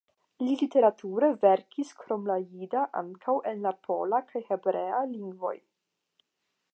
Li literature verkis krom la jida ankaŭ en la pola kaj hebrea lingvoj.